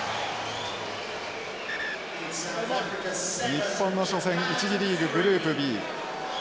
日本の初戦１次リーググループＢ。